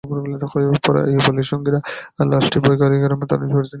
পরে আইয়ুব আলীর সঙ্গীরা লাশটি বৈকারী গ্রামে তাঁর নিজ বাড়িতে নিয়ে আসেন।